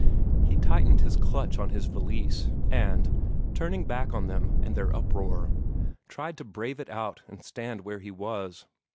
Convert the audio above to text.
He tightened his clutch on his valise, and, turning his back on them and their uproar, tried to brave it out and stand where he was.